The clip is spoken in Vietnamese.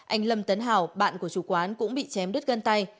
anh lâm tấn hào bạn của chủ quán cũng bị chém đứt gân tay